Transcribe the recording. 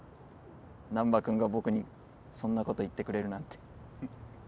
難破君が僕にそんなこと言ってくれるなんて